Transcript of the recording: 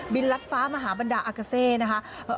บินรัฐฟ้ามหาบรรดาอักกษัตริย์นะคะ